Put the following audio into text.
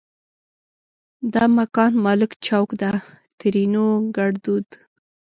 دا مکان مالک چوک ده؛ ترينو ګړدود